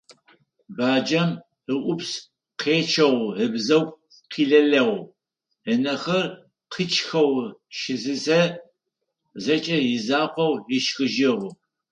Баджэм ыӀупс къечъэу ыбзэгу къилэлэу, ынэхэр къичъхэу щысызэ, зэкӀэ изакъоу ышхыжьыгъ.